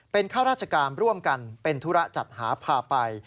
เป็นข้าราชการร่วมกันเป็นธุระจัดหาพาไป